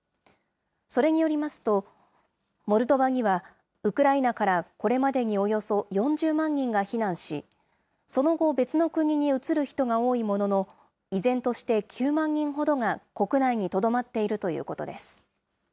それによりますと、モルドバにはウクライナからこれまでにおよそ４０万人が避難し、その後、別の国に移る人が多いものの、依然として９万人ほどが国内にとどまっているということです。